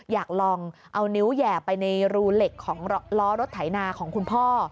อยากลองเอานิ้วแห่ไปในรูเหล็กของล้อรถไถนาของคุณพ่อ